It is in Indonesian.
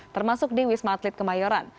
termasuk di wisma atlet kemayoran